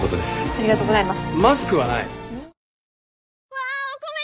ありがとうございます。